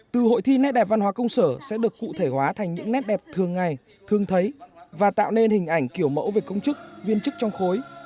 từ hội thi nét đẹp văn hóa công sở sẽ được cụ thể hóa thành những nét đẹp thường ngày thường thấy và tạo nên hình ảnh kiểu mẫu về công chức viên chức trong khối